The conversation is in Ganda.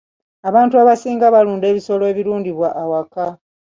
Abantu abasinga balunda ebisolo ebirundibwa awaka.